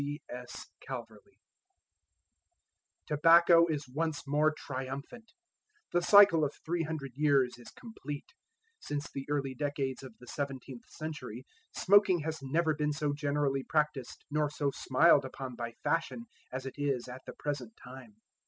C.S. CALVERLEY. Tobacco is once more triumphant. The cycle of three hundred years is complete. Since the early decades of the seventeenth century, smoking has never been so generally practised nor so smiled upon by fashion as it is at the present time.